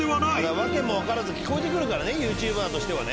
訳もわからず聞こえてくるからねＹｏｕＴｕｂｅｒとしてはね。